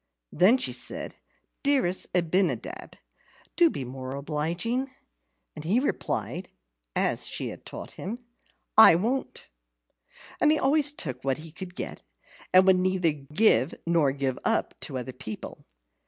Then she said, "Dearest Abinadab, do be more obliging!" And he replied (as she had taught him), "I won't." He always took what he could get, and would neither give nor give up to other people.